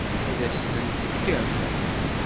Ad as-ten-tefkem?